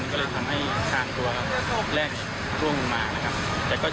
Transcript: เนื่องจากว่าการขยับตัวของตัวสลิงที่จะโรย